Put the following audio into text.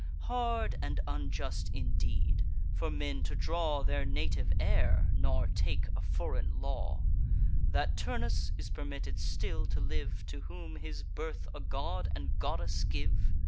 Hard and unjust indeed, for men to draw Their native air, nor take a foreign law! That Turnus is permitted still to live, To whom his birth a god and goddess give!